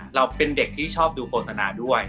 เราเป็นเด็กที่ชอบดูโฆษณาด้วย